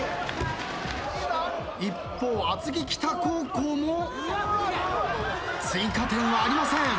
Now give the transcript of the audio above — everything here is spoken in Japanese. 一方厚木北高校も追加点はありません。